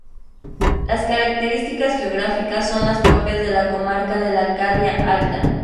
Las características geográficas son las propias de la comarca de la Alcarria Alta.